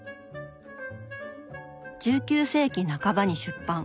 １９世紀半ばに出版。